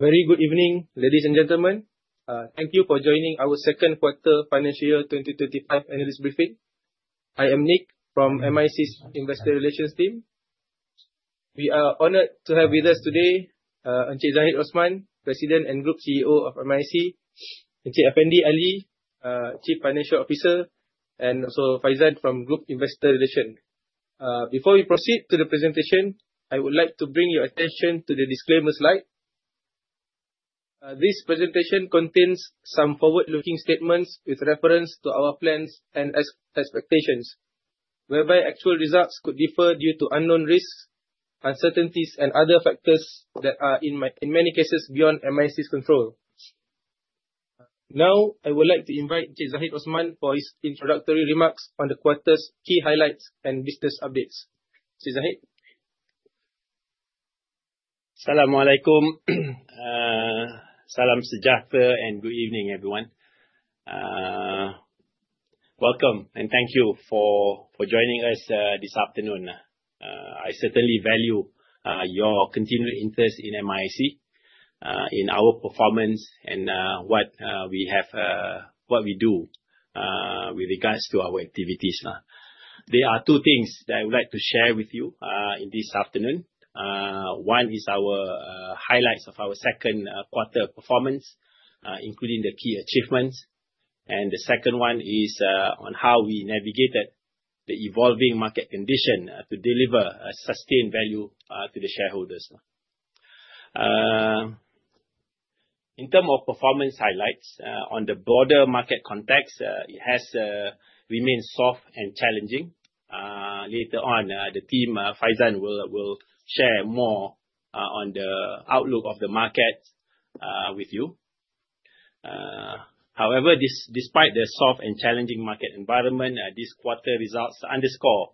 Very good evening, ladies and gentlemen. Thank you for joining our second quarter FY 2025 analyst briefing. I am Nick from MISC's Investor Relations team. We are honored to have with us today Encik Zahid Osman, President and Group CEO of MISC, Encik Afendy Ali, Chief Financial Officer, and also Faizan from Group Investor Relations. Before we proceed to the presentation, I would like to bring your attention to the disclaimers slide. This presentation contains some forward-looking statements with reference to our plans and expectations, whereby actual results could differ due to unknown risks, uncertainties and other factors that are in many cases beyond MISC's control. I would like to invite Encik Zahid Osman for his introductory remarks on the quarter's key highlights and business updates. Encik Zahid. Assalamualaikum. Salam Sejahtera and good evening, everyone. Welcome and thank you for joining us this afternoon. I certainly value your continued interest in MISC, in our performance and what we do with regards to our activities. There are two things that I would like to share with you this afternoon. One is our highlights of our second quarter performance, including the key achievements. The second one is on how we navigated the evolving market condition to deliver a sustained value to the shareholders. In terms of performance highlights, on the broader market context, it has remained soft and challenging. Later on, the team, Faizan, will share more on the outlook of the market with you. However, despite the soft and challenging market environment, this quarter results underscore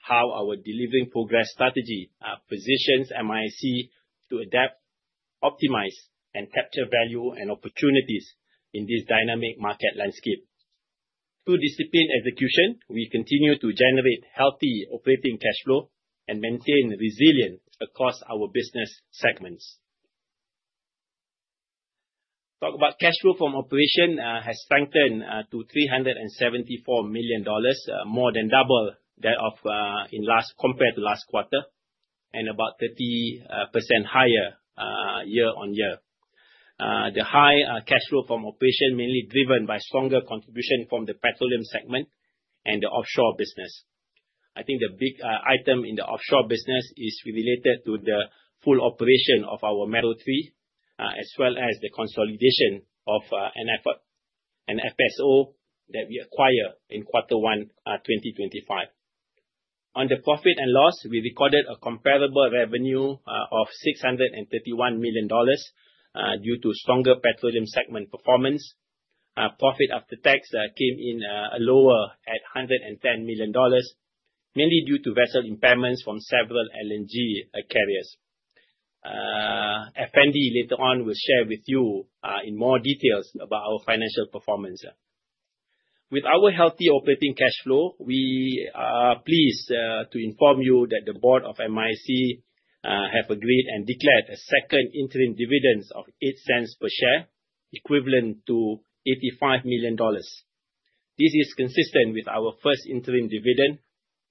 how our Delivering Progress strategy positions MISC to adapt, optimize, and capture value and opportunities in this dynamic market landscape. Through disciplined execution, we continue to generate healthy operating cash flow and maintain resilience across our business segments. Cash flow from operation has strengthened to $374 million, more than double compared to last quarter, and about 30% higher year-on-year. The high cash flow from operation mainly driven by stronger contribution from the petroleum segment and the offshore business. I think the big item in the offshore business is related to the full operation of our Mero 3, as well as the consolidation of an FSO that we acquired in Q1 2025. On the profit and loss, we recorded a comparable revenue of $631 million due to stronger petroleum segment performance. Profit after tax came in lower at $110 million, mainly due to vessel impairments from several LNG carriers. Afendy, later on, will share with you in more details about our financial performance. With our healthy operating cash flow, we are pleased to inform you that the board of MISC have agreed and declared a second interim dividend of 0.08 per share, equivalent to MYR 85 million. This is consistent with our first interim dividend,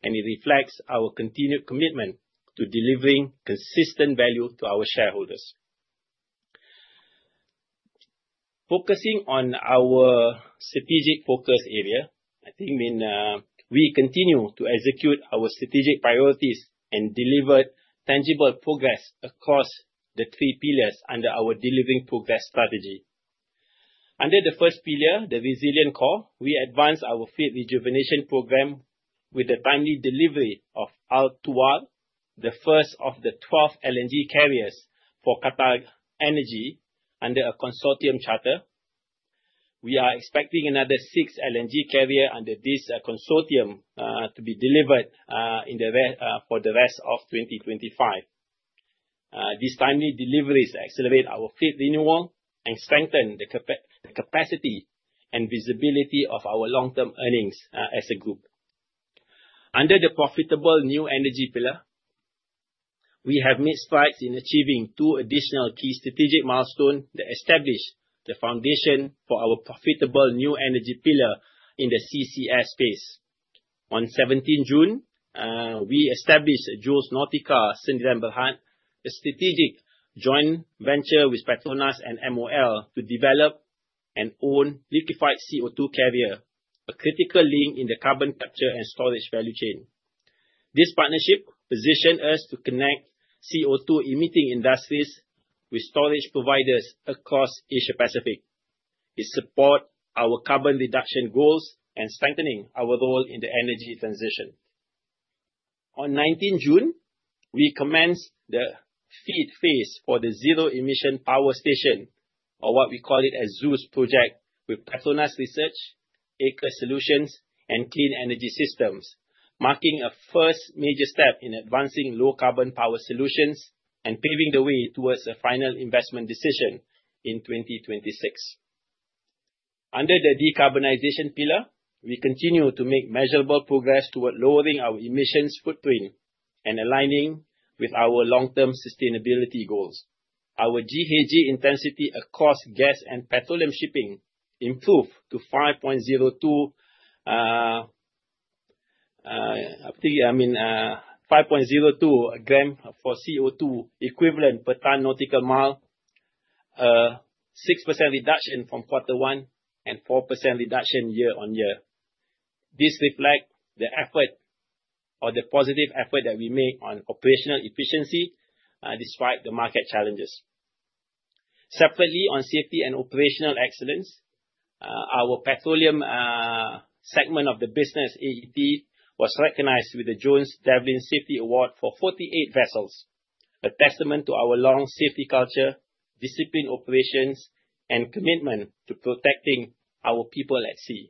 it reflects our continued commitment to delivering consistent value to our shareholders. Focusing on our strategic focus area, I think we continue to execute our strategic priorities and deliver tangible progress across the three pillars under our Delivering Progress strategy. Under the first pillar, the Resilient Core, we advanced our fleet rejuvenation program with the timely delivery of Al Tuwar, the first of the 12 LNG carriers for QatarEnergy under a consortium charter. We are expecting another six LNG carrier under this consortium to be delivered for the rest of 2025. These timely deliveries accelerate our fleet renewal and strengthen the capacity and visibility of our long-term earnings as a group. Under the Profitable New Energy pillar, we have made strides in achieving two additional key strategic milestones that establish the foundation for our Profitable New Energy pillar in the CCS space. On 17 June, we established Jules Nautica Sdn. Bhd., a strategic joint venture with PETRONAS and MOL to develop and own liquefied CO2 carrier, a critical link in the carbon capture and storage value chain. This partnership positioned us to connect CO2 emitting industries with storage providers across Asia Pacific. It support our carbon reduction goals and strengthening our role in the energy transition. On 19 June, we commenced the FEED phase for the Zero Emission Power Station, or what we call it a ZEUS project, with PETRONAS Research, Aker Solutions, and Clean Energy Systems, marking a first major step in advancing low carbon power solutions and paving the way towards a final investment decision in 2026. Under the decarbonization pillar, we continue to make measurable progress toward lowering our emissions footprint and aligning with our long-term sustainability goals. Our GHG intensity across gas and petroleum shipping improved to 5.02 grams for CO2 equivalent per ton-mile, a 6% reduction from quarter one and 4% reduction year-on-year. This reflects the positive effort that we make on operational efficiency despite the market challenges. Separately, on safety and operational excellence, our petroleum segment of the business, AET, was recognized with the Jones F. Devlin Safety Award for 48 vessels. A testament to our long safety culture, disciplined operations, and commitment to protecting our people at sea.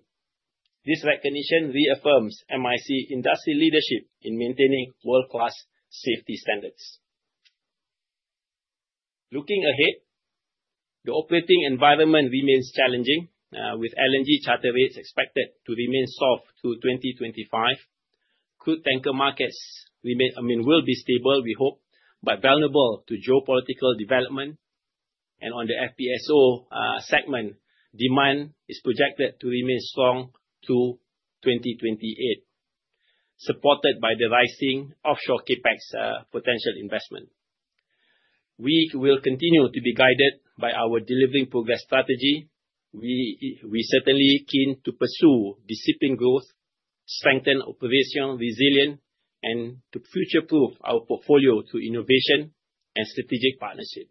This recognition reaffirms MISC industry leadership in maintaining world-class safety standards. Looking ahead, the operating environment remains challenging with LNG charter rates expected to remain soft through 2025. Crude tanker markets will be stable, we hope, but vulnerable to geopolitical development. On the FPSO segment, demand is projected to remain strong through 2028, supported by the rising offshore CapEx potential investment. We will continue to be guided by our Delivering Progress strategy. We certainly keen to pursue disciplined growth, strengthen operational resilience, and to future-proof our portfolio through innovation and strategic partnership.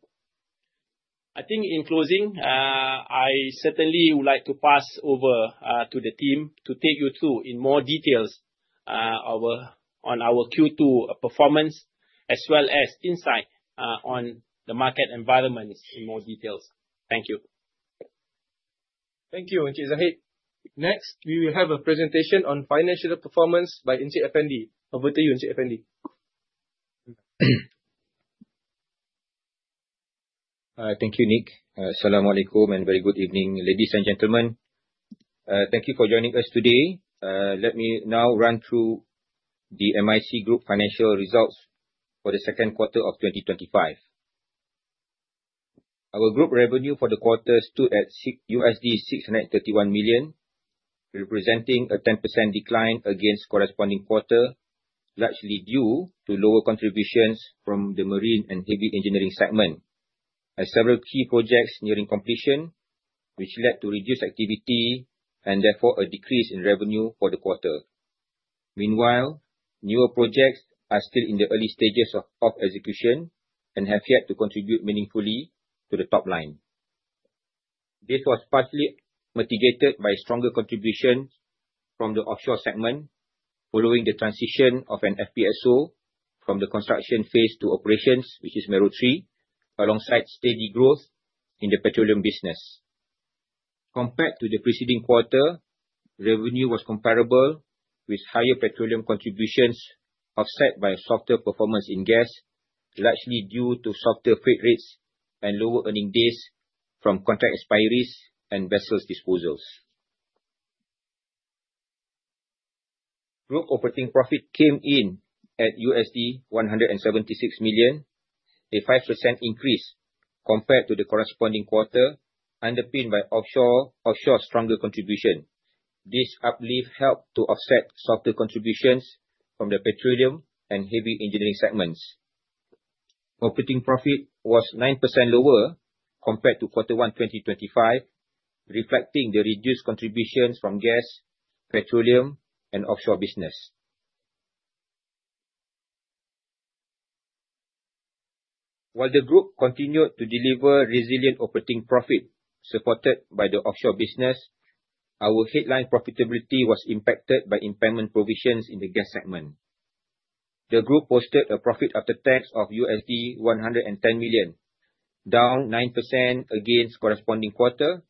I think in closing, I certainly would like to pass over to the team to take you through in more details on our Q2 performance as well as insight on the market environment in more details. Thank you. Thank you, Zahid. Next, we will have a presentation on financial performance by Encik Afendy. Over to you, Encik Afendy. Thank you, Nick. Assalamualaikum, and very good evening, ladies and gentlemen. Thank you for joining us today. Let me now run through the MISC Group financial results for the second quarter of 2025. Our group revenue for the quarter stood at $631 million, representing a 10% decline against corresponding quarter, largely due to lower contributions from the Marine and Heavy Engineering segment. As several key projects nearing completion, which led to reduced activity and therefore a decrease in revenue for the quarter. Meanwhile, newer projects are still in the early stages of execution and have yet to contribute meaningfully to the top line. This was partially mitigated by stronger contributions from the Offshore segment following the transition of an FPSO from the construction phase to operations, which is Mero 3, alongside steady growth in the Petroleum Business. Compared to the preceding quarter, revenue was comparable with higher Petroleum contributions offset by a softer performance in Gas, largely due to softer freight rates and lower earning days from contract expiries and vessels disposals. Group operating profit came in at $176 million, a 5% increase compared to the corresponding quarter underpinned by Offshore stronger contribution. This uplift helped to offset softer contributions from the Petroleum and Heavy Engineering segments. Operating profit was 9% lower compared to quarter one 2025, reflecting the reduced contributions from Gas, Petroleum, and Offshore Business. While the group continued to deliver resilient operating profit supported by the Offshore Business, our headline profitability was impacted by impairment provisions in the Gas Segment. The group posted a profit after tax of $110 million, down 9% against corresponding quarter,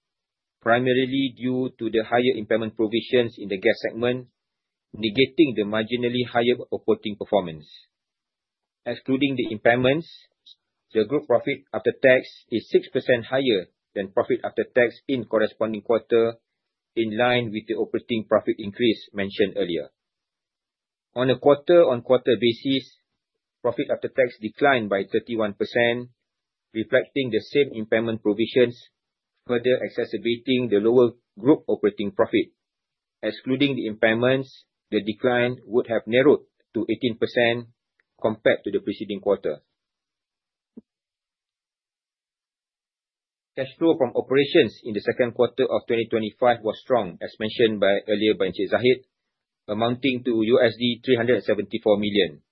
primarily due to the higher impairment provisions in the Gas Segment, negating the marginally higher operating performance. Excluding the impairments, the group profit after tax is 6% higher than profit after tax in corresponding quarter, in line with the operating profit increase mentioned earlier. On a quarter-on-quarter basis, profit after tax declined by 31%, reflecting the same impairment provisions, further exacerbating the lower group operating profit. Excluding the impairments, the decline would have narrowed to 18% compared to the preceding quarter. Cash flow from operations in the second quarter of 2025 was strong, as mentioned earlier by Encik Zahid, amounting to $374 million.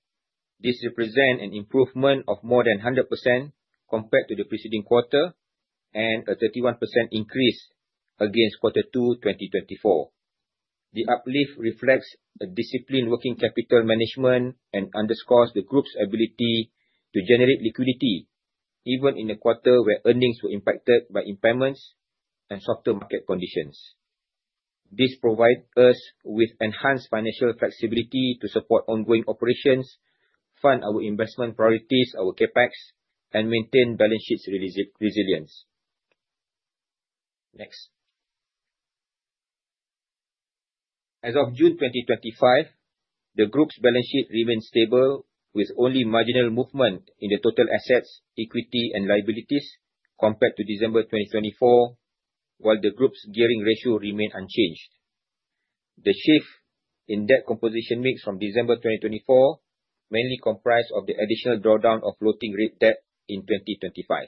This represents an improvement of more than 100% compared to the preceding quarter and a 31% increase against quarter two 2024. The uplift reflects a disciplined working capital management and underscores the group's ability to generate liquidity even in a quarter where earnings were impacted by impairments and softer market conditions. This provide us with enhanced financial flexibility to support ongoing operations, fund our investment priorities, our CapEx, and maintain balance sheet resilience. Next. As of June 2025, the group's balance sheet remains stable with only marginal movement in the total assets, equity, and liabilities compared to December 2024, while the group's gearing ratio remained unchanged. The shift in debt composition mix from December 2024 mainly comprised of the additional drawdown of floating rate debt in 2025.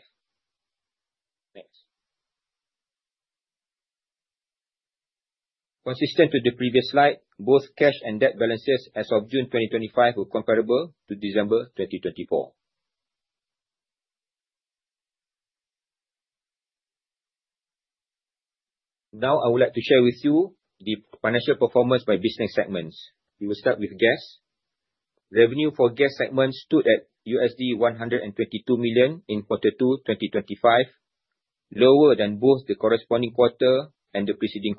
Next. Consistent with the previous slide, both cash and debt balances as of June 2025 were comparable to December 2024. Now I would like to share with you the financial performance by business segments. We will start with Gas. Revenue for Gas Segment stood at $122 million in quarter two 2025, lower than both the corresponding quarter and the preceding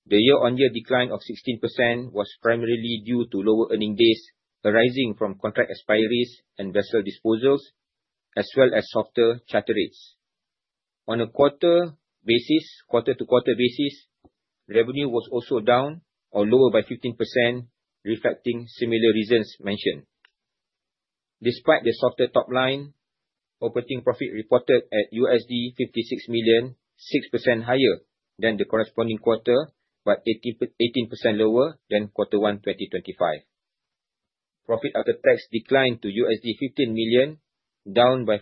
quarter. The year-on-year decline of 16% was primarily due to lower earning base arising from contract expiries and vessel disposals, as well as softer charter rates. On a quarter-to-quarter basis, revenue was also down or lower by 15%, reflecting similar reasons mentioned. Despite the softer top line, operating profit reported at $56 million, 6% higher than the corresponding quarter, but 18% lower than quarter one 2025. Profit after tax declined to $15 million, down by 46%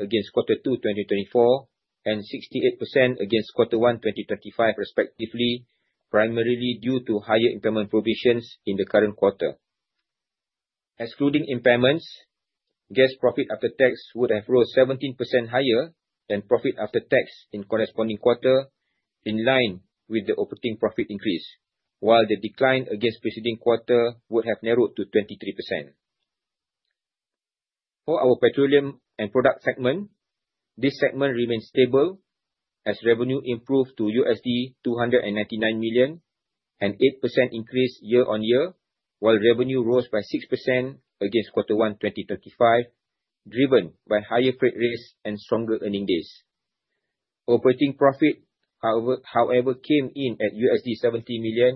against quarter two 2024 and 68% against quarter one 2025 respectively, primarily due to higher impairment provisions in the current quarter. Excluding impairments, gas profit after tax would have rose 17% higher than profit after tax in corresponding quarter, in line with the operating profit increase, while the decline against preceding quarter would have narrowed to 23%. For our Petroleum and Product segment, this segment remains stable as revenue improved to $299 million, an 8% increase year-on-year, while revenue rose by 6% against quarter one 2025, driven by higher freight rates and stronger earning days. Operating profit, however, came in at $70 million,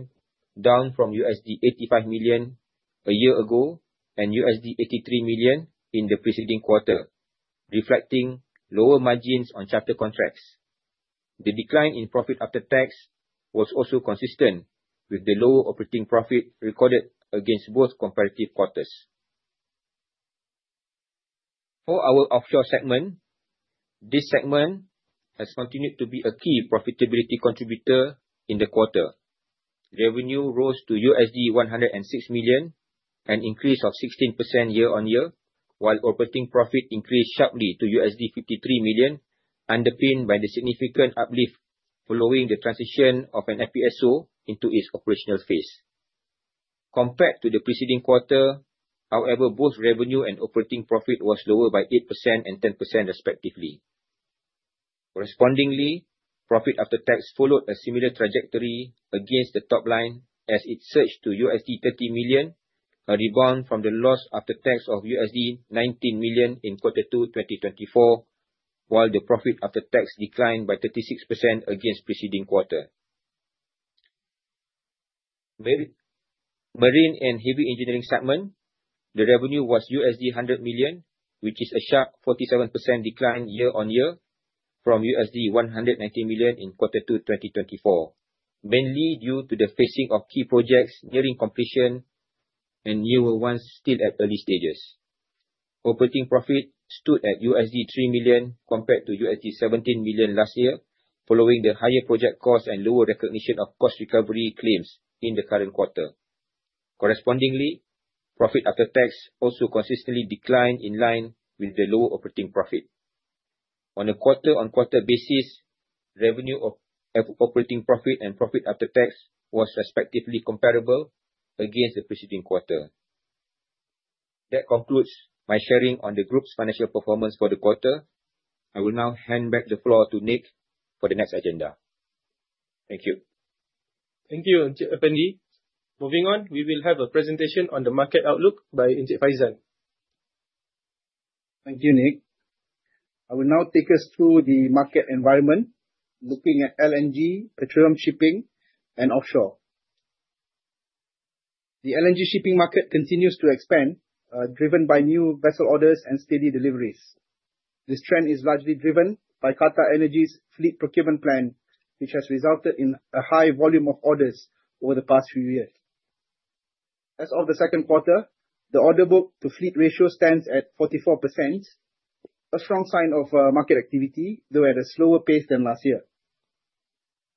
down from $85 million a year ago and $83 million in the preceding quarter, reflecting lower margins on charter contracts. The decline in profit after tax was also consistent with the lower operating profit recorded against both comparative quarters. For our Offshore segment, this segment has continued to be a key profitability contributor in the quarter. Revenue rose to $106 million, an increase of 16% year-on-year, while operating profit increased sharply to $53 million, underpinned by the significant uplift following the transition of an FPSO into its operational phase. Compared to the preceding quarter, however, both revenue and operating profit was lower by 8% and 10% respectively. Correspondingly, profit after tax followed a similar trajectory against the top line as it surged to $30 million, a rebound from the loss after tax of $19 million in quarter two 2024, while the profit after tax declined by 36% against preceding quarter. Marine and Heavy Engineering segment, the revenue was $100 million, which is a sharp 47% decline year-on-year from $119 million in quarter two 2024, mainly due to the phasing of key projects nearing completion and newer ones still at early stages. Operating profit stood at $3 million compared to $17 million last year, following the higher project cost and lower recognition of cost recovery claims in the current quarter. Correspondingly, profit after tax also consistently declined in line with the lower operating profit. On a quarter-on-quarter basis, revenue of operating profit and profit after tax was respectively comparable against the preceding quarter. That concludes my sharing on the group's financial performance for the quarter. I will now hand back the floor to Nick for the next agenda. Thank you. Thank you, Encik Effendy. Moving on, we will have a presentation on the market outlook by Encik Faizal. Thank you, Nick. I will now take us through the market environment, looking at LNG, petroleum shipping, and offshore. The LNG shipping market continues to expand, driven by new vessel orders and steady deliveries. This trend is largely driven by QatarEnergy's fleet procurement plan, which has resulted in a high volume of orders over the past few years. As of the second quarter, the order book to fleet ratio stands at 44%, a strong sign of market activity, though at a slower pace than last year.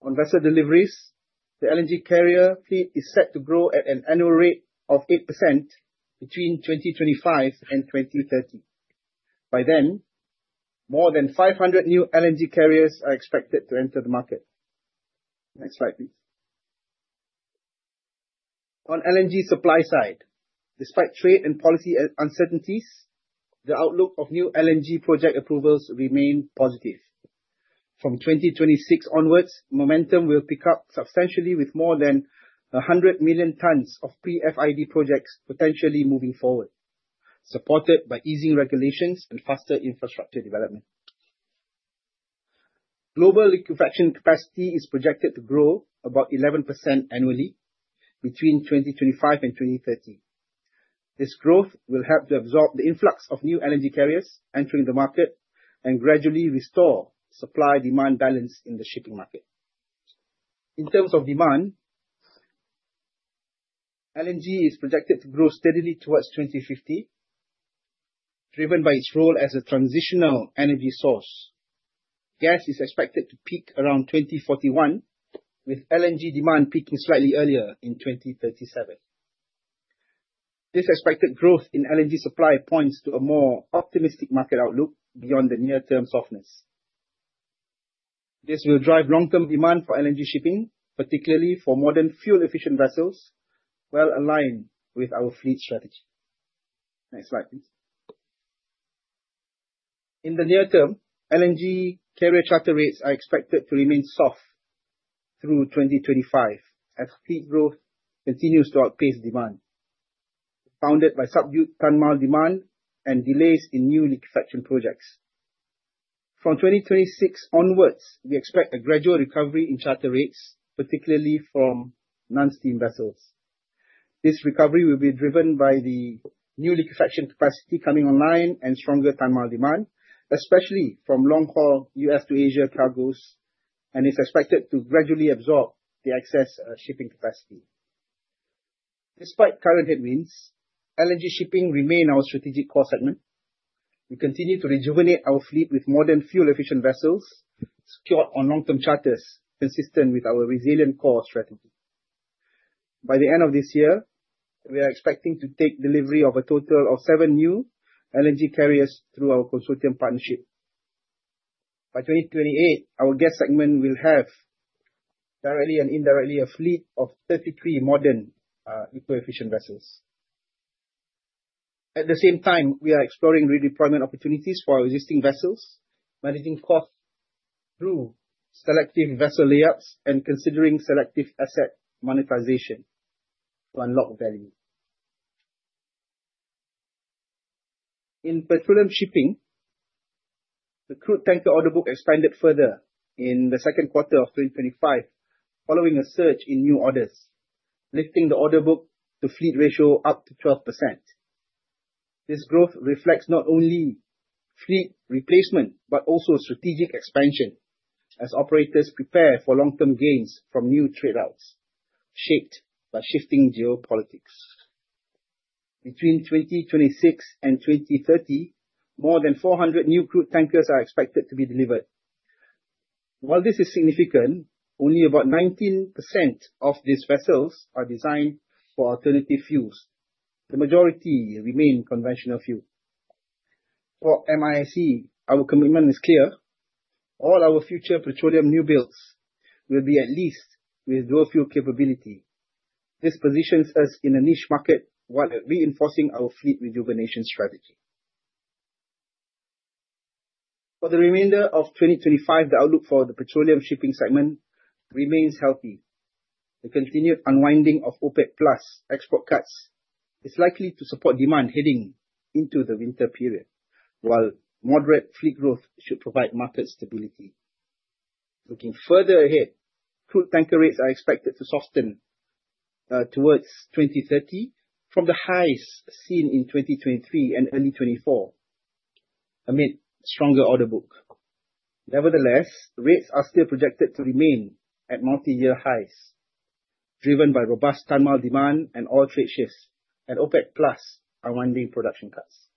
On vessel deliveries, the LNG carrier fleet is set to grow at an annual rate of 8% between 2025 and 2030. By then, more than 500 new LNG carriers are expected to enter the market. Next slide, please. On LNG supply side, despite trade and policy uncertainties, the outlook of new LNG project approvals remain positive. From 2026 onwards, momentum will pick up substantially with more than 100 million tonnes of pre-FID projects potentially moving forward, supported by easing regulations and faster infrastructure development. Global liquefaction capacity is projected to grow about 11% annually between 2025 and 2030. This growth will help to absorb the influx of new energy carriers entering the market and gradually restore supply-demand balance in the shipping market. In terms of demand, LNG is projected to grow steadily towards 2050, driven by its role as a transitional energy source. Gas is expected to peak around 2041, with LNG demand peaking slightly earlier in 2037. This expected growth in LNG supply points to a more optimistic market outlook beyond the near-term softness. This will drive long-term demand for LNG shipping, particularly for modern fuel-efficient vessels, well aligned with our fleet strategy. Next slide, please. In the near term, LNG carrier charter rates are expected to remain soft through 2025 as fleet growth continues to outpace demand, founded by subdued ton-mile demand and delays in new liquefaction projects. From 2026 onwards, we expect a gradual recovery in charter rates, particularly from non-steam vessels. This recovery will be driven by the new liquefaction capacity coming online and stronger ton-mile demand, especially from long-haul U.S. to Asia cargos, and is expected to gradually absorb the excess shipping capacity. Despite current headwinds, LNG shipping remain our strategic core segment. We continue to rejuvenate our fleet with modern fuel-efficient vessels secured on long-term charters, consistent with our Resilient Core strategy. By the end of this year, we are expecting to take delivery of a total of seven new LNG carriers through our consortium partnership. By 2028, our gas segment will have, directly and indirectly, a fleet of 33 modern, eco-efficient vessels. At the same time, we are exploring redeployment opportunities for our existing vessels, managing costs through selective vessel layups and considering selective asset monetization to unlock value. In petroleum shipping, the crude tanker order book expanded further in the second quarter of 2025 following a surge in new orders, lifting the order book to fleet ratio up to 12%. This growth reflects not only fleet replacement, but also strategic expansion as operators prepare for long-term gains from new trade routes shaped by shifting geopolitics. Between 2026 and 2030, more than 400 new crude tankers are expected to be delivered. While this is significant, only about 19% of these vessels are designed for alternative fuels. The majority remain conventional fuel. For MISC, our commitment is clear. All our future petroleum new builds will be at least with dual-fuel capability. This positions us in a niche market while reinforcing our fleet rejuvenation strategy. For the remainder of 2025, the outlook for the petroleum shipping segment remains healthy. The continued unwinding of OPEC+ export cuts is likely to support demand heading into the winter period, while moderate fleet growth should provide market stability. Looking further ahead, crude tanker rates are expected to soften towards 2030 from the highs seen in 2023 and early 2024 amid stronger order book. Nevertheless, rates are still projected to remain at multi-year highs, driven by robust ton-mile demand and oil trade shifts and OPEC+ unwinding production cuts.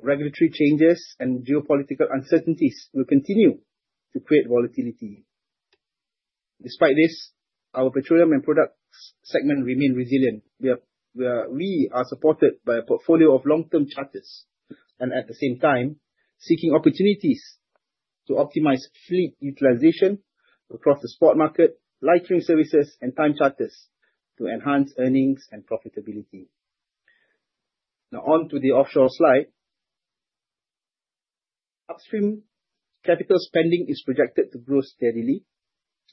Regulatory changes and geopolitical uncertainties will continue to create volatility. Despite this, our petroleum and products segment remain resilient. We are supported by a portfolio of long-term charters and at the same time seeking opportunities to optimize fleet utilization across the spot market, lightering services, and time charters to enhance earnings and profitability. On to the offshore slide. Upstream capital spending is projected to grow steadily,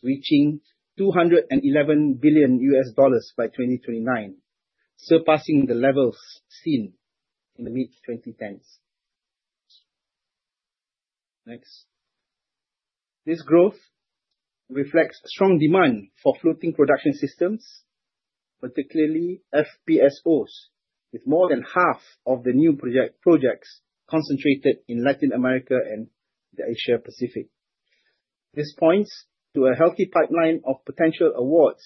reaching $211 billion by 2029, surpassing the levels seen in the mid-2010s. Next. This growth reflects strong demand for floating production systems, particularly FPSOs, with more than half of the new projects concentrated in Latin America and the Asia Pacific. This points to a healthy pipeline of potential awards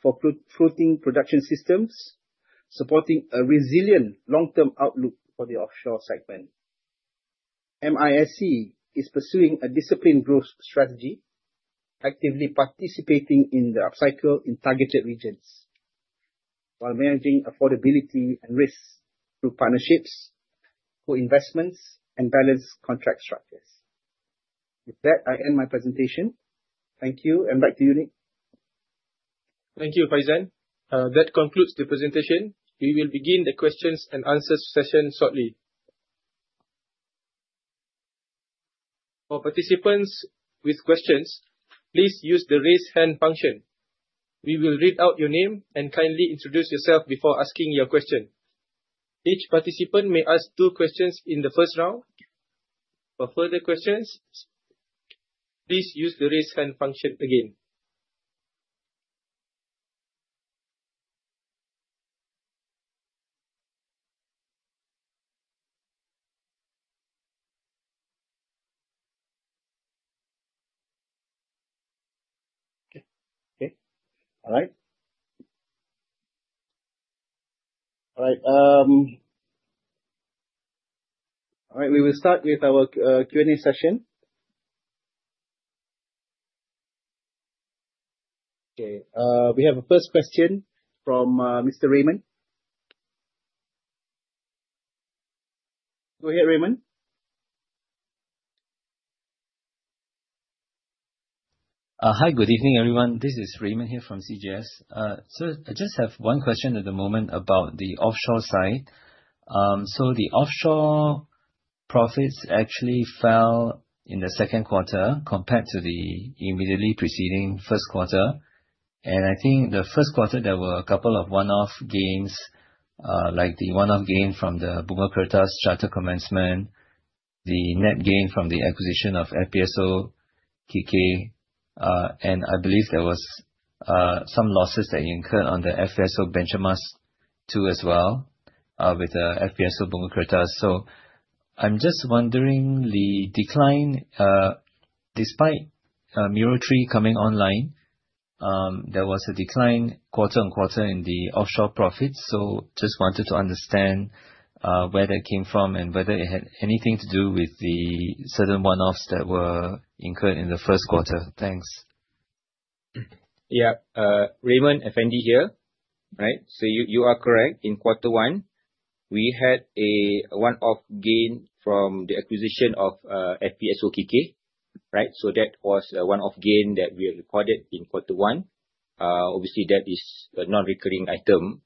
for floating production systems, supporting a resilient long-term outlook for the offshore segment. MISC is pursuing a disciplined growth strategy, actively participating in the upcycle in targeted regions while managing affordability and risks through partnerships, co-investments, and balanced contract structures. I end my presentation. Thank you. Back to you, Nick. Thank you, Faizan. That concludes the presentation. We will begin the questions and answers session shortly. For participants with questions, please use the raise hand function. We will read out your name and kindly introduce yourself before asking your question. Each participant may ask two questions in the first round. For further questions, please use the raise hand function again. We will start with our Q&A session. We have a first question from Mr. Raymond. Go ahead, Raymond. Hi, good evening, everyone. This is Raymond here from CIMB. I just have one question at the moment about the offshore side. The offshore profits actually fell in the second quarter compared to the immediately preceding first quarter. And I think the first quarter, there were a couple of one-off gains, like the one-off gain from the Bumiputera charter commencement, the net gain from the acquisition of FPSO Kikeh, and I believe there was some losses that you incurred on the FPSO Bunga Kertas too as well, with the FPSO Bumiputera. I'm just wondering the decline, despite Muaro Jati coming online, there was a decline quarter-on-quarter in the offshore profits. Just wanted to understand where that came from and whether it had anything to do with the certain one-offs that were incurred in the first quarter. Thanks. Yeah. Raymond, Effendy here. You are correct. In quarter one, we had a one-off gain from the acquisition of FPSO Kikeh. That was a one-off gain that we recorded in quarter one. Obviously, that is a non-recurring item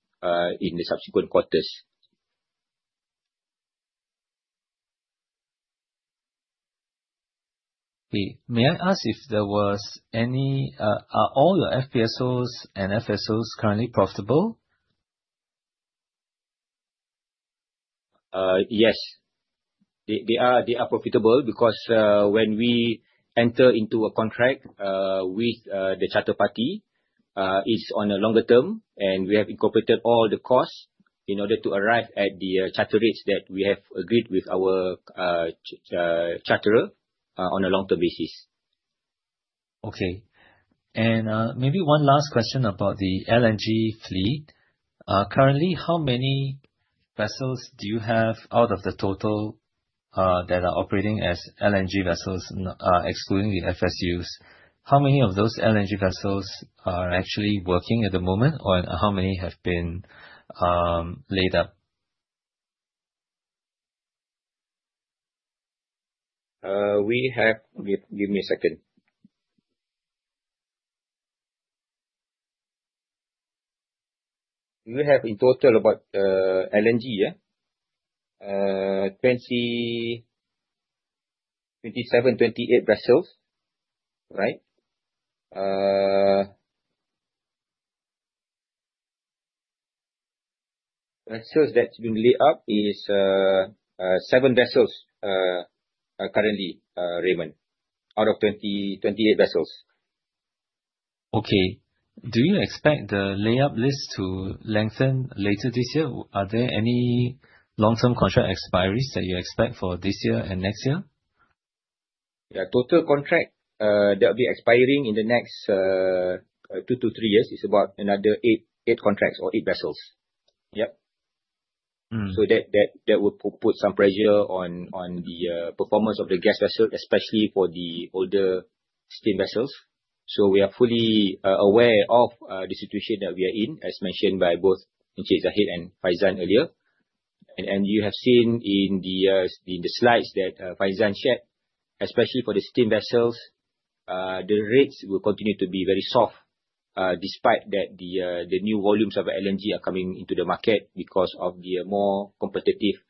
in the subsequent quarters. May I ask, are all your FPSOs and FSOs currently profitable? Yes. They are profitable because when we enter into a contract with the charter party, it is on a longer term, and we have incorporated all the costs in order to arrive at the charter rates that we have agreed with our charterer on a long-term basis. Maybe one last question about the LNG fleet. Currently, how many vessels do you have out of the total that are operating as LNG vessels, excluding the FSUs. How many of those LNG vessels are actually working at the moment, or how many have been laid up? Give me a second. We have in total LNG, 27, 28 vessels. Vessels that has been laid up is seven vessels currently, Raymond, out of 28 vessels. Okay. Do you expect the layup list to lengthen later this year? Are there any long-term contract expiries that you expect for this year and next year? Total contract that'll be expiring in the next two to three years is about another eight contracts or eight vessels. That will put some pressure on the performance of the gas vessel, especially for the older steam vessels. We are fully aware of the situation that we are in, as mentioned by both Encik Zahid and Faizan earlier. You have seen in the slides that Faizan shared, especially for the steam vessels, the rates will continue to be very soft, despite that the new volumes of LNG are coming into the market because of the more competitive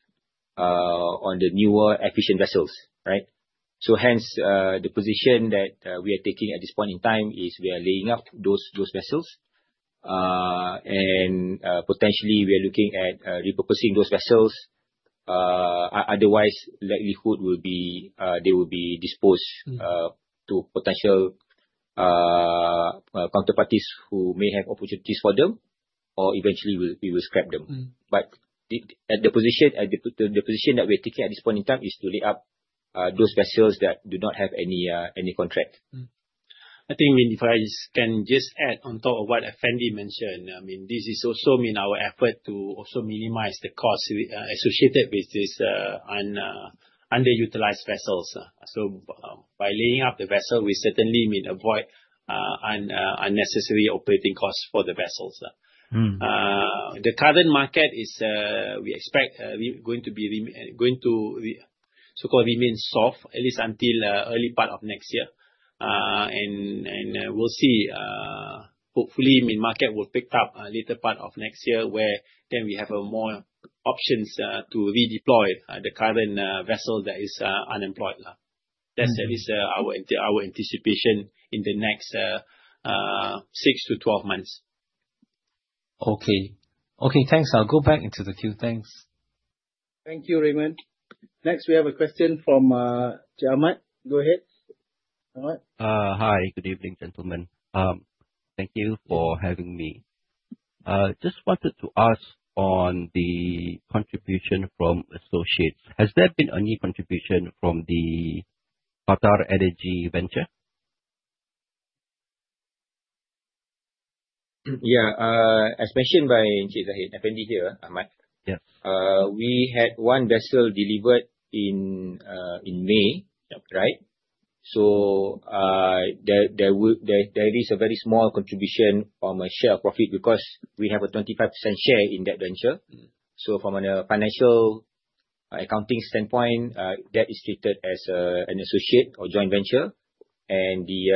on the newer efficient vessels. Hence, the position that we are taking at this point in time is we are laying up those vessels. Potentially we are looking at repurposing those vessels. Otherwise, likelihood they will be disposed to potential counterparties who may have opportunities for them or eventually we will scrap them. The position that we're taking at this point in time is to lay up those vessels that do not have any contract. I think if I can just add on top of what Effendy mentioned, this is also in our effort to also minimize the cost associated with these underutilized vessels. By laying up the vessel, we certainly avoid unnecessary operating costs for the vessels. The current market, we expect, going to so-called remain soft, at least until early part of next year. We'll see. Hopefully, market will pick up later part of next year where then we have more options to redeploy the current vessel that is unemployed. That is our anticipation in the next 6 to 12 months. Okay. Thanks. I'll go back into the queue. Thanks. Thank you, Raymond. Next, we have a question from Ahmad. Go ahead, Ahmad. Hi. Good evening, gentlemen. Thank you for having me. Just wanted to ask on the contribution from associates. Has there been any contribution from the QatarEnergy venture? Yeah. As mentioned by Zahid. Afendy here, Ahmad. Yeah. We had one vessel delivered in May. Yep. There is a very small contribution from a share profit because we have a 25% share in that venture. From a financial accounting standpoint, that is stated as an associate or joint venture. The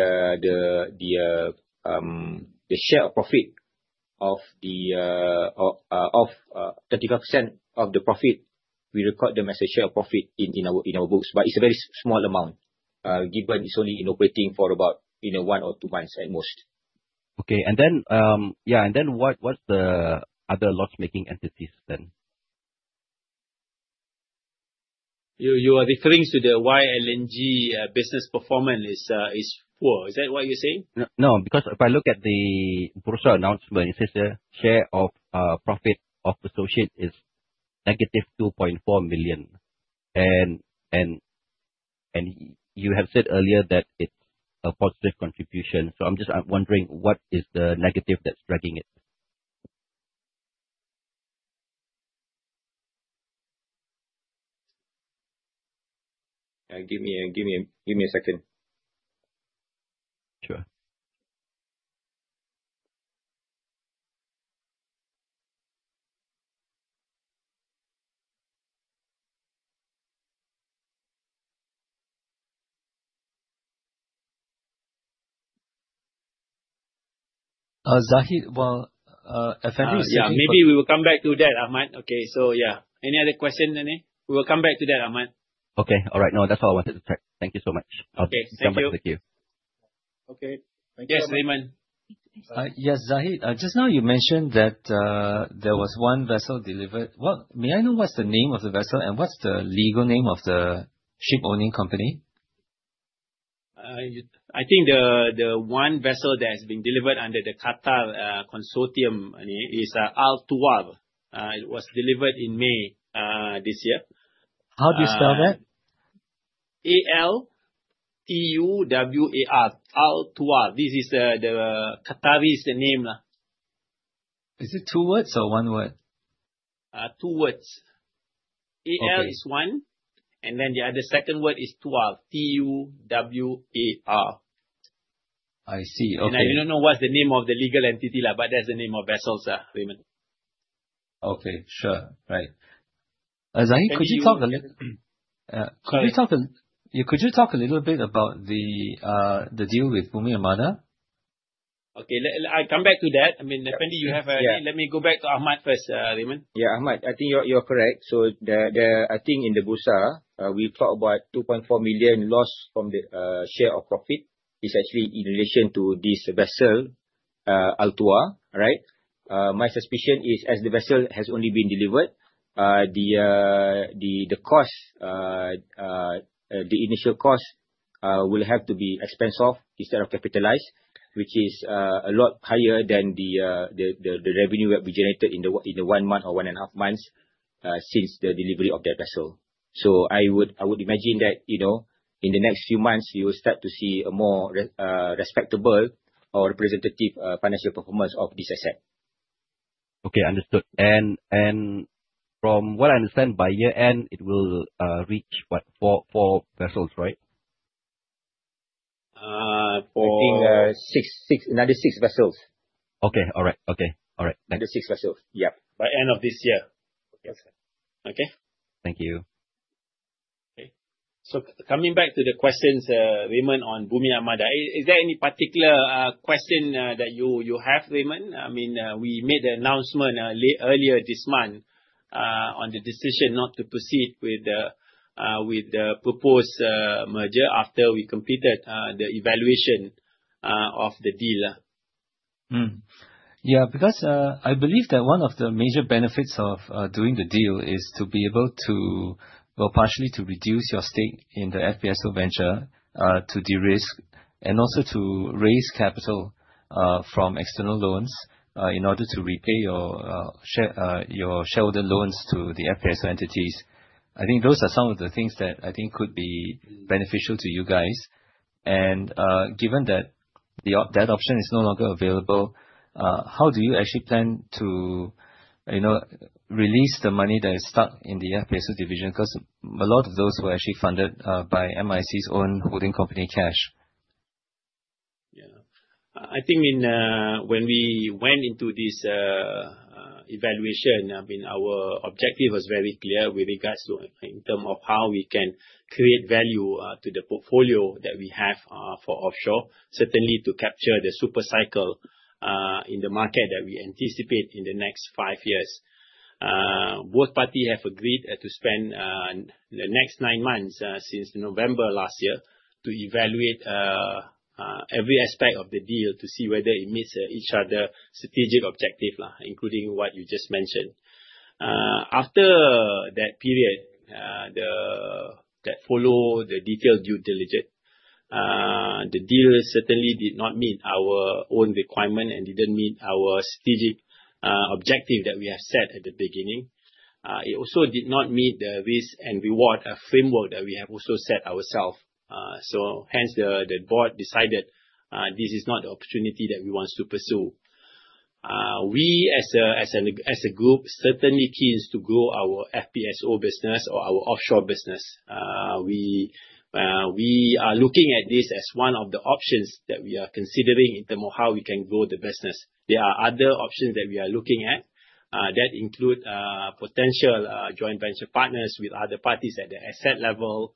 share of profit of 35% of the profit, we record them as a share of profit in our books. It's a very small amount, given it's only in operating for about one or two months at most. Okay. What's the other loss-making entities then? You are referring to the why LNG business performance is poor. Is that what you're saying? No, because if I look at the Bursa announcement, it says share of profit of associate is negative 2.4 million. You have said earlier that it's a positive contribution. I'm just wondering what is the negative that's dragging it. Give me a second. Sure. Zahid, well, Afendy- Maybe we will come back to that, Ahmad. Okay. Any other question, Lenny? We will come back to that, Ahmad. Okay. All right. That's all I wanted to check. Thank you so much. Okay. Thank you. I'll come back to the queue. Okay. Yes, Raymond. Yes, Zahid. Just now you mentioned that there was one vessel delivered. May I know what's the name of the vessel and what's the legal name of the ship owning company? I think the one vessel that has been delivered under the Qatar Consortium is Al Tuwar. It was delivered in May this year. How do you spell that? A-L T-U-W-A-R. Al Tuwar. This is the Qatari's name. Is it two words or one word? Two words. Okay. A-L is one, and then the other second word is Tuwar. T-U-W-A-R. I see. Okay. I don't know what's the name of the legal entity, but that's the name of vessels, Raymond. Okay. Sure. Right. Thank you. Zahid, could you talk a little bit about the deal with Bumi Armada? Okay. I come back to that. I mean, Effendy, you have a Yeah. Let me go back to Ahmad first, Raymond. Yeah, Ahmad, I think you're correct. I think in the Bursa, we talk about 2.4 million loss from the share of profit is actually in relation to this vessel, Al Tuwar, right? My suspicion is as the vessel has only been delivered, the initial cost will have to be expensed off instead of capitalized, which is a lot higher than the revenue that we generated in the one month or one and a half months since the delivery of that vessel. I would imagine that in the next few months you will start to see a more respectable or representative financial performance of this asset. Okay. Understood. From what I understand, by year-end, it will reach what? Four vessels, right? For- I think six. Another six vessels. Okay. All right. Another six vessels. Yep. By end of this year. Yes, sir. Okay? Thank you. Okay. Coming back to the questions, Raymond, on Bumi Armada. Is there any particular question that you have, Raymond? We made the announcement earlier this month on the decision not to proceed with the proposed merger after we completed the evaluation of the deal. I believe that one of the major benefits of doing the deal is to be able to, well, partially to reduce your stake in the FPSO venture to de-risk and also to raise capital from external loans in order to repay your shareholder loans to the FPSO entities. I think those are some of the things that I think could be beneficial to you guys. Given that option is no longer available, how do you actually plan to release the money that is stuck in the FPSO division? Because a lot of those were actually funded by MISC's own holding company cash. I think when we went into this Evaluation. I mean, our objective was very clear with regards to in terms of how we can create value to the portfolio that we have for offshore, certainly to capture the super cycle in the market that we anticipate in the next five years. Both parties have agreed to spend the next nine months, since November last year, to evaluate every aspect of the deal to see whether it meets each other's strategic objective, including what you just mentioned. After that period, that followed the detailed due diligence, the deal certainly did not meet our own requirement and didn't meet our strategic objective that we have set at the beginning. It also did not meet the risk and reward framework that we have also set ourself. Hence, the board decided this is not the opportunity that we want to pursue. We as a group certainly keen to grow our FPSO business or our offshore business. We are looking at this as one of the options that we are considering in terms of how we can grow the business. There are other options that we are looking at. That include potential joint venture partners with other parties at the asset level,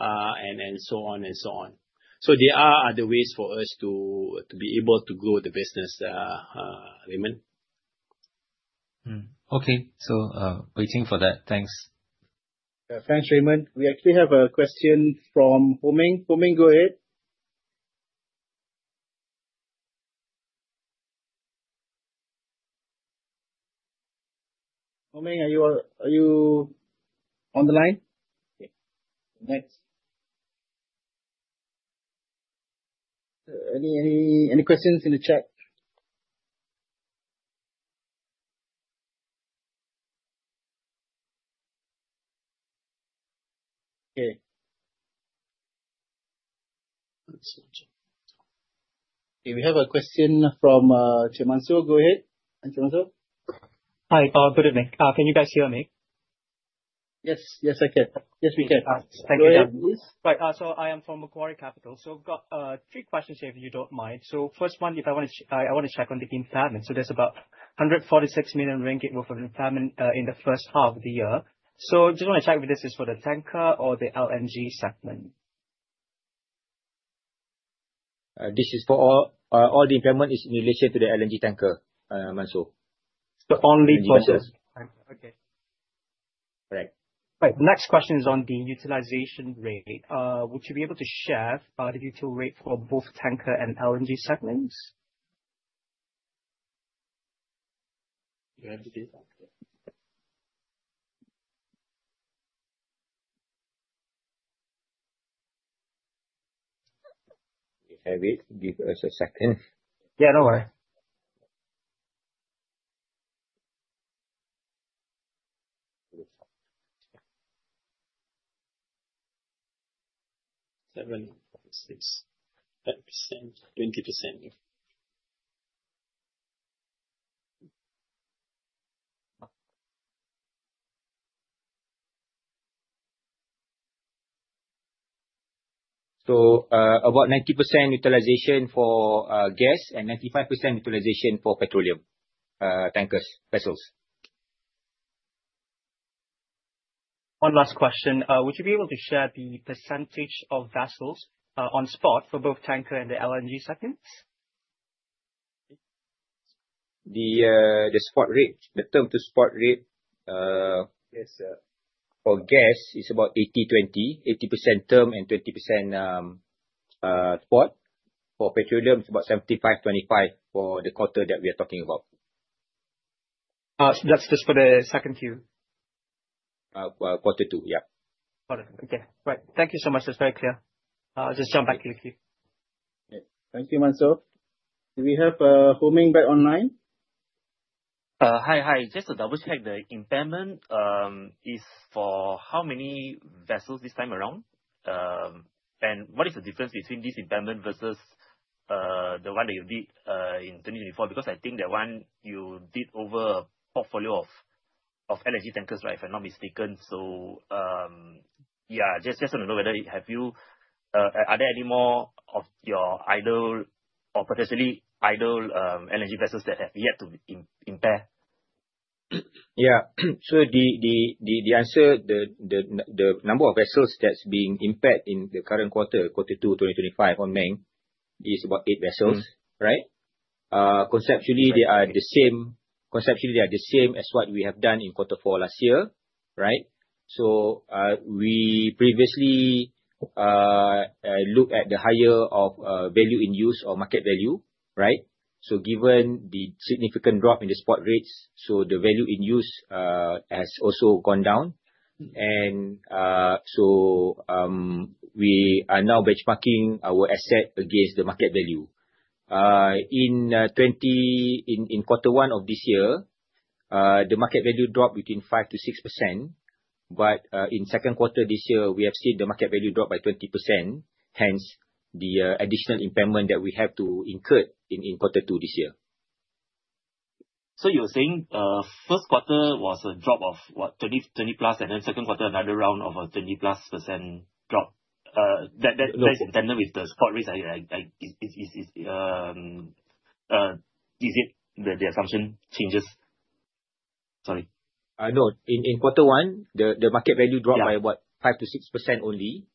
and so on and so on. There are other ways for us to be able to grow the business, Raymond. Okay. Waiting for that. Thanks. Thanks, Raymond. We actually have a question from Foming. Foming, go ahead. Foming, are you on the line? Next. Any questions in the chat? We have a question from Manso. Go ahead. Hi, Manso. Hi. Good evening. Can you guys hear me? Yes, I can. Yes, we can. Thank you. Go ahead please. Right. I am from Macquarie Capital. I've got three questions here, if you don't mind. First one, I want to check on the impairment. There's about 146 million ringgit worth of impairment in the first half of the year. Just wanna check if this is for the tanker or the LNG segment. This is for all. All the impairment is in relation to the LNG tanker, Manso. Only for. LNG vessels. Okay. Correct. Right. Next question is on the utilization rate. Would you be able to share the util rate for both tanker and LNG segments? Do you have the data? If I may, give us a second. Yeah, no worry. 7.6, 10%, 20%. About 90% utilization for gas and 95% utilization for petroleum tankers vessels. One last question. Would you be able to share the percentage of vessels on spot for both tanker and the LNG segments? The term to spot rate for gas is about 80-20. 80% term and 20% spot. For petroleum it's about 75-25 for the quarter that we are talking about. That's just for the second Q? Quarter two, yeah. Got it. Okay. Right. Thank you so much. That's very clear. I'll just jump back in the queue. Okay. Thank you, Manso. Do we have Foming back online? Hi. Just to double check the impairment, is for how many vessels this time around? What is the difference between this impairment versus the one that you did in 2024? I think that one you did over a portfolio of LNG tankers, right? If I'm not mistaken. Yeah, just want to know whether Are there any more of your idle or potentially idle LNG vessels that have yet to be impaired? Yeah. The answer, the number of vessels that is being impaired in the current quarter two 2025, Foming, is about eight vessels, right? Conceptually, they are the same as what we have done in quarter four last year. Right. We previously look at the higher of value in use or market value. Right. Given the significant drop in the spot rates, the value in use has also gone down. We are now benchmarking our asset against the market value. In quarter one of this year, the market value dropped between 5%-6%, but in second quarter this year, we have seen the market value drop by 20%. Hence, the additional impairment that we have to incur in quarter two this year. You are saying, first quarter was a drop of what, 20-plus, and then second quarter, another round of a 20-plus % drop? That is intended with the spot rate. Is it that the assumption changes? Sorry. No. In quarter one, the market value dropped by what? 5%-6% only.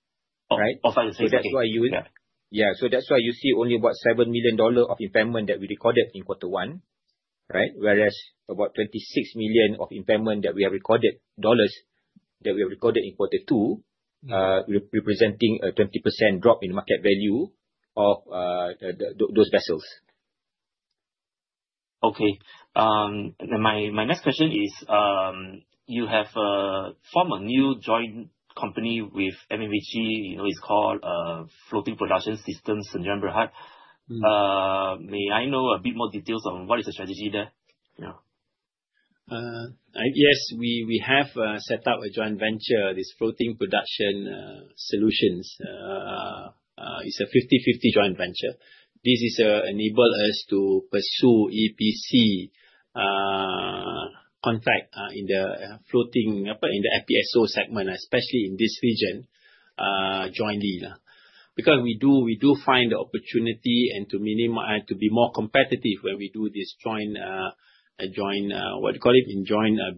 Of 5%-6%, okay. That's why you see only about MYR 7 million of impairment that we recorded in quarter one. Whereas about 26 million of impairment that we have recorded in quarter two, representing a 20% drop in market value of those vessels. Okay. My next question is, you have formed a new joint company with MMHE, it's called Floating Production Solutions Sdn Bhd. May I know a bit more details on what is the strategy there? Yes, we have set up a joint venture, this Floating Production Solutions. It's a 50/50 joint venture. This enable us to pursue EPC contract in the FPSO segment, especially in this region, jointly. We do find the opportunity and to be more competitive when we do this joint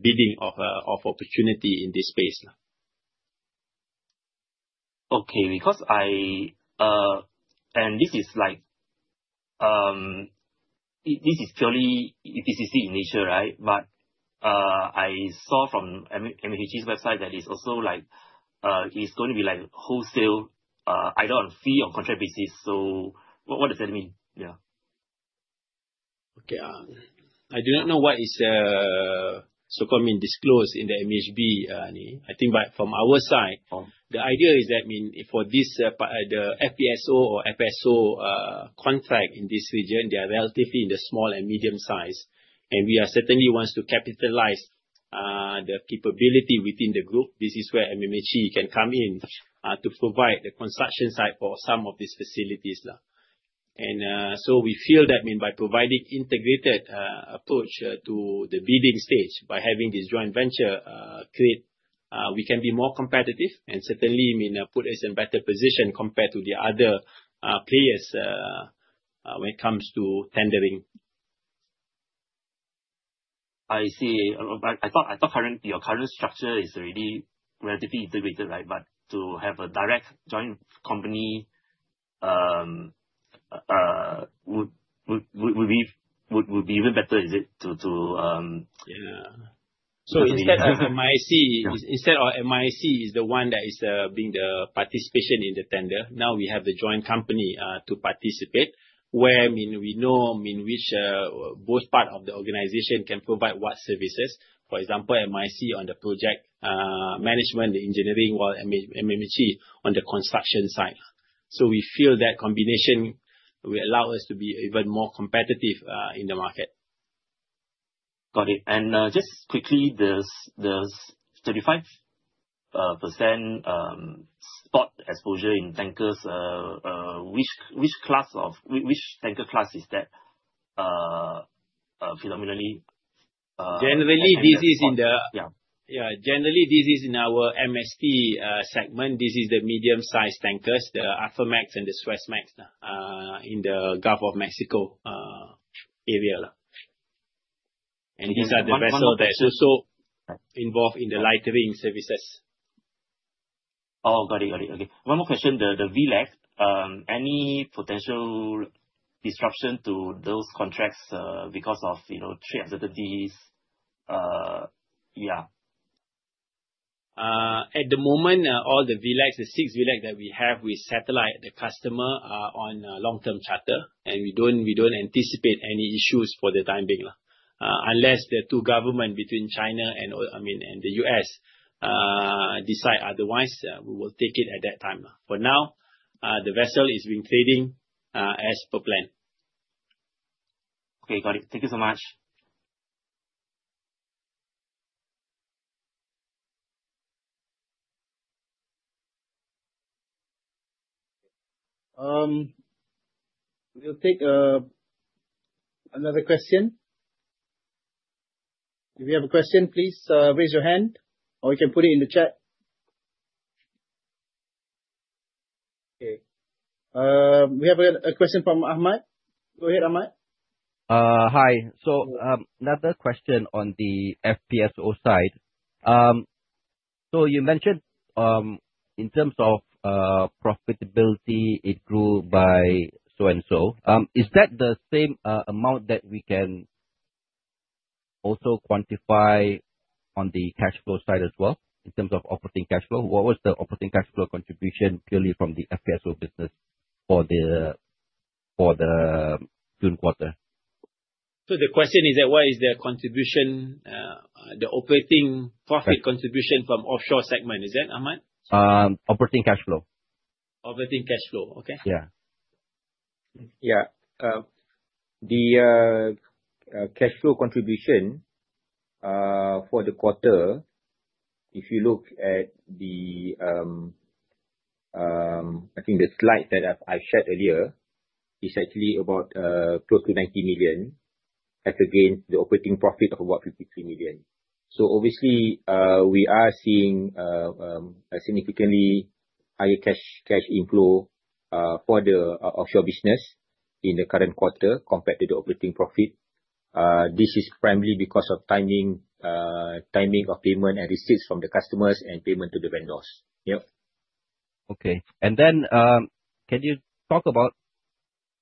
bidding of opportunity in this space. Okay. This is purely EPC nature, right? I saw from MMHE's website that it's going to be wholesale either on fee or contract basis. What does that mean? Okay. I do not know what is so-called disclosed in the MMHE. I think from our side, the idea is that for the FPSO or FSO contract in this region, they are relatively in the small and medium size, and we are certainly want to capitalize the capability within the group. This is where MMHE can come in to provide the construction site for some of these facilities. We feel that by providing integrated approach to the bidding stage, by having this joint venture create, we can be more competitive and certainly put us in better position compared to the other players when it comes to tendering. I see. I thought your current structure is already relatively integrated. To have a direct joint company would be even better, is it? Yeah. Instead of MISC is the one that is being the participation in the tender, now we have the joint company to participate, where we know which both part of the organization can provide what services. For example, MISC on the project management, the engineering, while MMHE on the construction side. We feel that combination will allow us to be even more competitive in the market. Got it. Just quickly, the 35% spot exposure in tankers, which tanker class is that predominantly? Generally, this is in our MST segment. This is the medium-sized tankers, the Aframax and the Suezmax in the Gulf of Mexico area. These are the vessels that also involved in the lightering services. Oh, got it. One more question. The VLAC, any potential disruption to those contracts because of trade uncertainties? At the moment all the six VLAC that we have, we satellite the customer on long-term charter, and we don't anticipate any issues for the time being. Unless the two government between China and the U.S. decide otherwise, we will take it at that time. For now, the vessel has been trading as per plan. Okay, got it. Thank you so much. We'll take another question. If you have a question, please raise your hand or you can put it in the chat. Okay. We have a question from Ahmad. Go ahead, Ahmad. Hi. Another question on the FPSO side. You mentioned in terms of profitability, it grew by so and so. Is that the same amount that we can also quantify on the cash flow side as well, in terms of operating cash flow? What was the operating cash flow contribution purely from the FPSO business for the June quarter? The question is that what is the operating profit contribution from offshore segment? Is that, Ahmad? Operating cash flow. Operating cash flow. Yeah. The cash flow contribution for the quarter, if you look at the slide that I shared earlier, is actually about close to 90 million. Has again the operating profit of about 53 million. Obviously, we are seeing a significantly higher cash inflow for the offshore business in the current quarter compared to the operating profit. This is primarily because of timing of payment and receipts from the customers and payment to the vendors. Then, can you talk about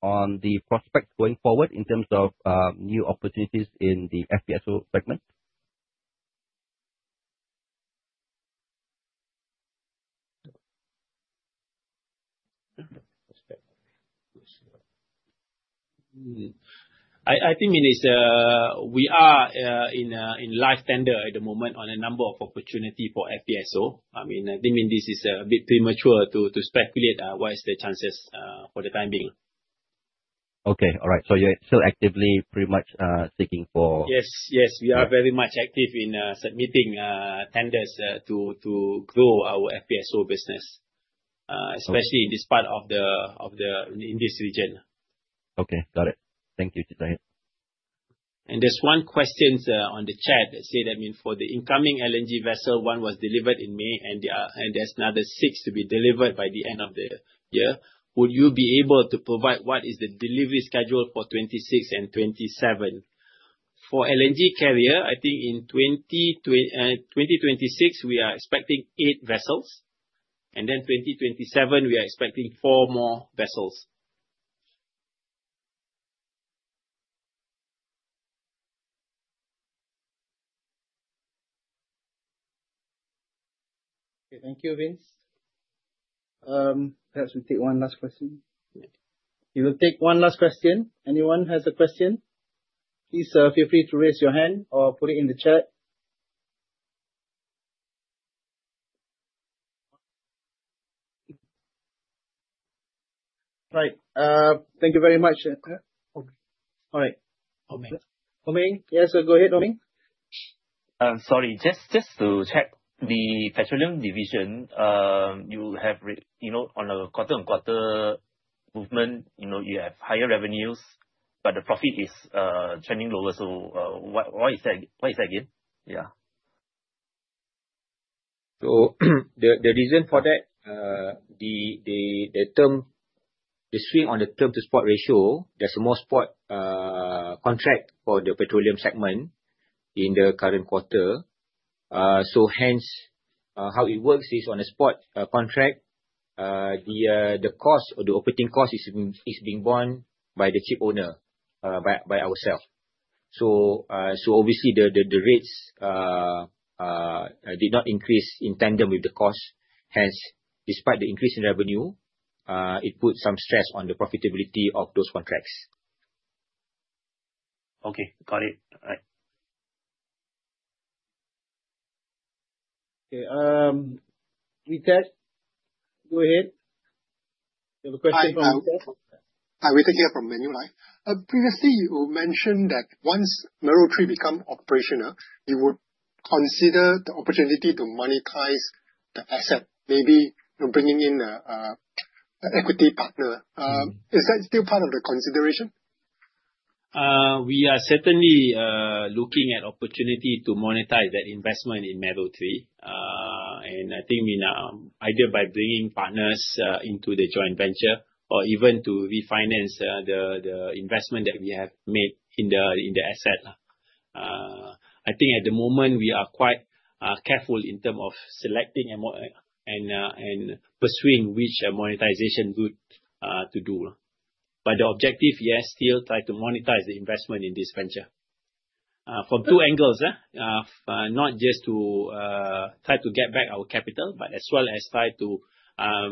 on the prospects going forward in terms of new opportunities in the FPSO segment? I think we are in live tender at the moment on a number of opportunity for FPSO. I think this is a bit premature to speculate what is the chances for the time being. Okay. All right. You're still actively pretty much seeking for. Yes. We are very much active in submitting tenders to grow our FPSO business. Especially in this part of this region. Okay. Got it. Thank you, Hisham. There's one question on the chat that said, for the incoming LNG vessel, one was delivered in May, and there's another six to be delivered by the end of the year. Would you be able to provide what is the delivery schedule for 2026 and 2027? For LNG carrier, I think in 2026, we are expecting eight vessels. 2027, we are expecting four more vessels. Okay. Thank you, Vince. Perhaps we'll take one last question. We will take one last question. Anyone has a question? Please feel free to raise your hand or put it in the chat. Right. Thank you very much. All right. Homai. Homai. Yes, go ahead, Homai. Sorry. Just to check the petroleum division, on a quarter-on-quarter movement, you have higher revenues, but the profit is trending lower. Why is that again? Yeah. The reason for that, the swing on the term to spot ratio, there's more spot contract for the petroleum segment in the current quarter. How it works is on a spot contract, the cost or the operating cost is being borne by the ship owner, by ourselves. Obviously the rates did not increase in tandem with the cost. Hence, despite the increase in revenue, it put some stress on the profitability of those contracts. Okay. Got it. All right. Okay. Richard, go ahead. You have a question from Richard. Hi. Richard here from Maybank. Previously, you mentioned that once Mero 3 become operational, you would consider the opportunity to monetize the asset, maybe bringing in an equity partner. Is that still part of the consideration? I think either by bringing partners into the joint venture or even to refinance the investment that we have made in the asset. I think at the moment, we are quite careful in term of selecting and pursuing which monetization route to do. The objective, yes, still try to monetize the investment in this venture. For two angles. Not just to try to get back our capital, but as well as try to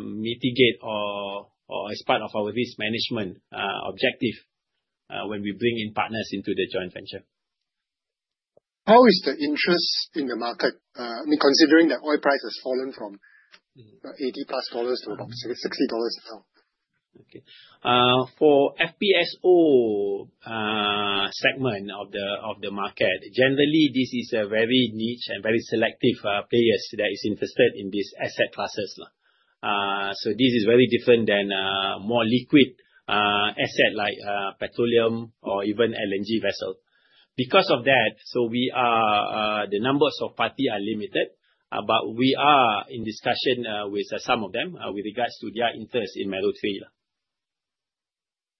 mitigate or as part of our risk management objective when we bring in partners into the joint venture. How is the interest in the market, considering that oil price has fallen from $80+ to about $60 a barrel? Okay. For FPSO segment of the market, generally this is a very niche and very selective players that is invested in these asset classes. This is very different than more liquid asset like petroleum or even LNG vessel. Because of that, the numbers of party are limited, we are in discussion with some of them with regards to their interest in Mero 3.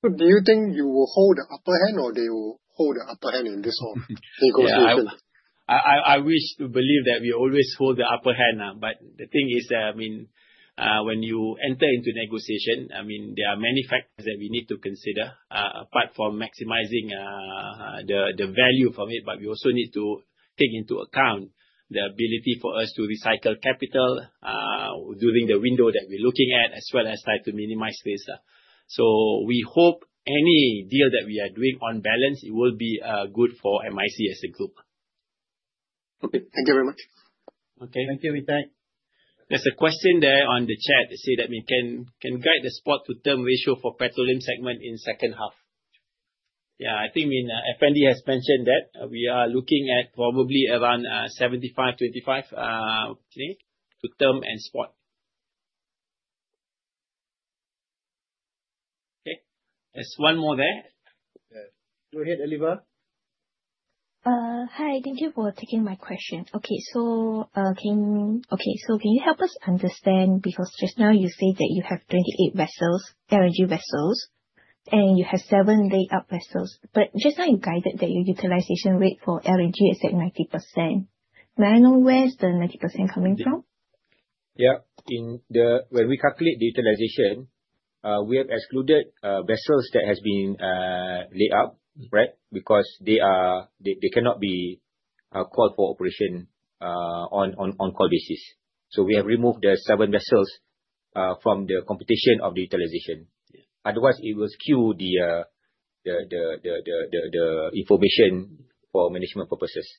Do you think you will hold the upper hand or they will hold the upper hand in this whole negotiation? I wish to believe that we always hold the upper hand, the thing is, when you enter into negotiation, there are many factors that we need to consider, apart from maximizing the value from it, we also need to take into account the ability for us to recycle capital during the window that we're looking at as well as try to minimize risk. We hope any deal that we are doing on balance, it will be good for MISC as a group. Okay. Thank you very much. Okay. Thank you, Richard. There's a question there on the chat that say that we can guide the spot to term ratio for petroleum segment in second half. Yeah, I think Effendy has mentioned that we are looking at probably around 75, 25, I think, to term and spot. Okay. There's one more there. Yeah. Go ahead, Oliver. Hi. Thank you for taking my questions. Okay. Can you help us understand, because just now you said that you have 28 LNG vessels, and you have seven laid-up vessels, just now you guided that your utilization rate for LNG is at 90%. May I know where is the 90% coming from? Yeah. When we calculate the utilization, we have excluded vessels that have been laid up. They cannot be called for operation on call basis. We have removed the seven vessels from the computation of the utilization. Otherwise, it will skew the information for management purposes.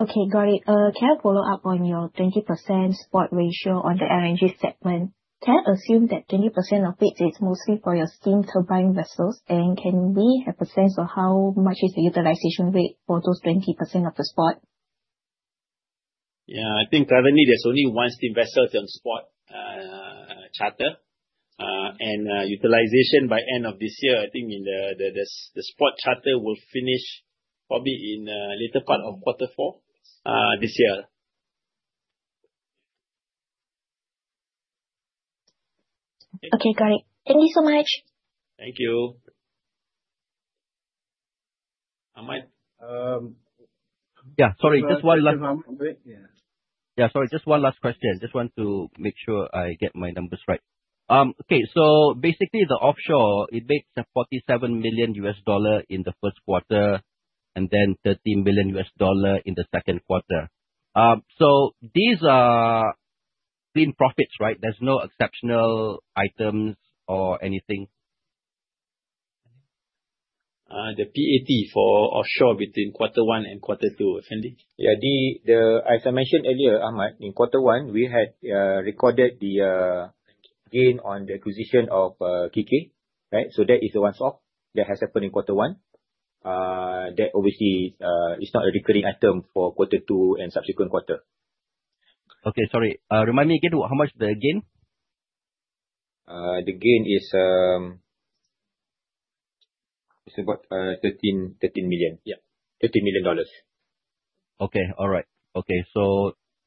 Okay, got it. Can I follow up on your 20% spot ratio on the LNG segment? Can I assume that 20% of it is mostly for your steam turbine vessels, can we have a sense of how much is the utilization rate for those 20% of the spot? Yeah. I think currently there's only one steam vessel that's on spot charter. Utilization by end of this year, I think the spot charter will finish probably in later part of quarter four this year. Okay, got it. Thank you so much. Thank you. Ahmad. Yeah. Sorry, just one last- Ahmad, yeah. Yeah. Sorry, just one last question. Just want to make sure I get my numbers right. Okay. Basically, the offshore, it makes $47 million in the first quarter, and then $13 million in the second quarter. These are clean profits, right? There's no exceptional items or anything? The PAT for offshore between quarter one and quarter two. Sandy? Yeah. As I mentioned earlier, Ahmad, in quarter one, we had recorded the gain on the acquisition of Kikeh. That is a once off that has happened in quarter one. That obviously is not a recurring item for quarter two and subsequent quarter. Okay. Sorry. Remind me again, how much is the gain? The gain is about 13 million. Okay. All right.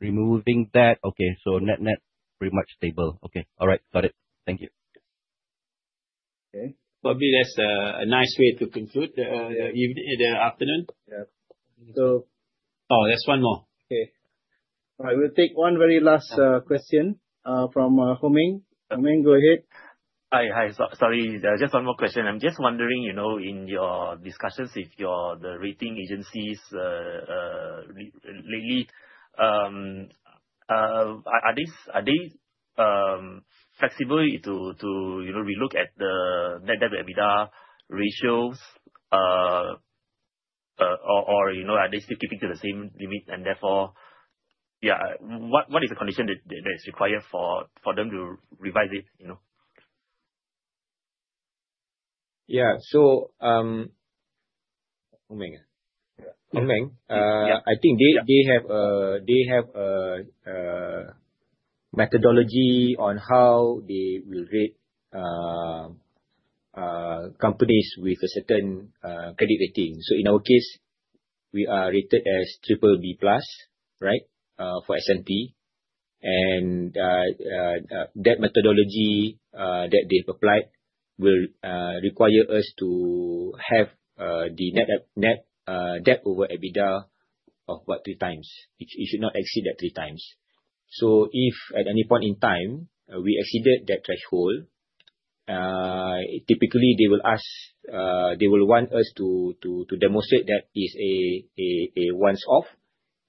Removing that, so net pretty much stable. Okay. All right. Got it. Thank you. Okay. Probably that's a nice way to conclude the afternoon. Yeah. Oh, there's one more. Okay. All right. We'll take one very last question from Ho Meng. Ho Meng, go ahead. Hi. Sorry, just one more question. I'm just wondering, in your discussions with the rating agencies lately, are they flexible to relook at the net debt to EBITDA ratios? Are they still keeping to the same limit? What is the condition that is required for them to revise it? Yeah. Ho Meng? Yeah. Ho Meng. Yeah. I think they have a methodology on how they will rate companies with a certain credit rating. In our case, we are rated as BBB+, for S&P. That methodology that they've applied will require us to have the net debt over EBITDA of about 3 times. It should not exceed at 3 times. If at any point in time we exceeded that threshold, typically they will want us to demonstrate that is a once off,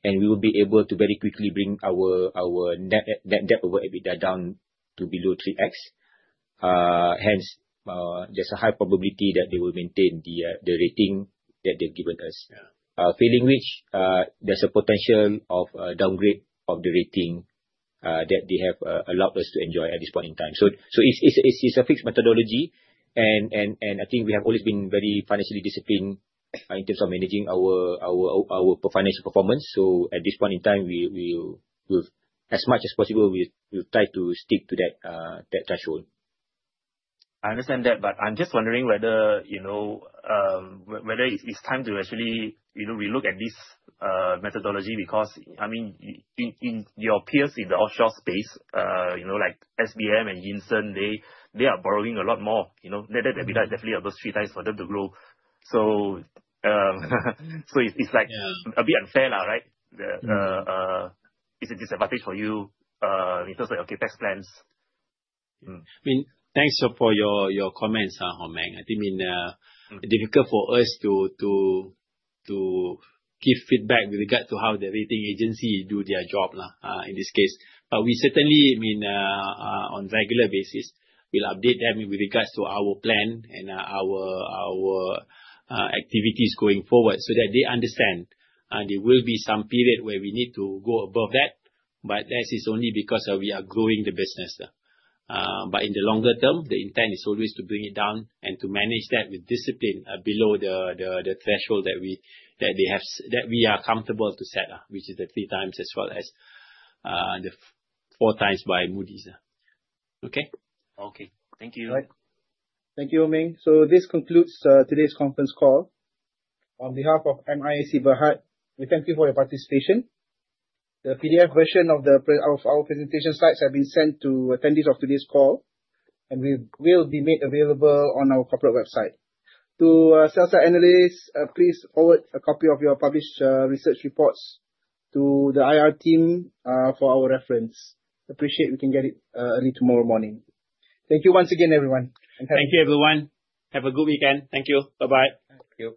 and we will be able to very quickly bring our net debt over EBITDA down to below 3x. There's a high probability that they will maintain the rating that they've given us. Yeah. Failing which, there's a potential of downgrade of the rating that they have allowed us to enjoy at this point in time. It's a fixed methodology, and I think we have always been very financially disciplined in terms of managing our financial performance. At this point in time, as much as possible, we'll try to stick to that threshold. I understand that, I'm just wondering whether it's time to actually relook at this methodology. Your peers in the offshore space, like SBM and Yinson, they are borrowing a lot more. Their debt to EBITDA is definitely above 3 times for them to grow. It's a bit unfair, right? It's a disadvantage for you in terms of your CapEx plans. Thanks for your comments, Ho Meng. Difficult for us to give feedback with regard to how the rating agency do their job, in this case. We certainly, on regular basis, will update them with regards to our plan and our activities going forward so that they understand there will be some period where we need to go above that, but that is only because we are growing the business. In the longer term, the intent is always to bring it down and to manage that with discipline below the threshold that we are comfortable to set, which is the three times as well as the four times by Moody's. Okay? Okay. Thank you. Thank you, Ho Meng. This concludes today's conference call. On behalf of MISC Berhad, we thank you for your participation. The PDF version of our presentation slides have been sent to attendees of today's call, and will be made available on our corporate website. To sell-side analysts, please forward a copy of your published research reports to the IR team for our reference. Appreciate we can get it early tomorrow morning. Thank you once again, everyone. Thank you, everyone. Have a good weekend. Thank you. Bye-bye. Thank you.